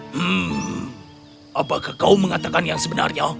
hmm apakah kau mengatakan yang sebenarnya